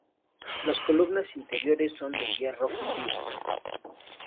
Las columnas interiores son de hierro fundido.